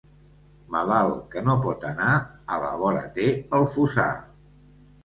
Malalt que no pot anar, a la vora té el fossar.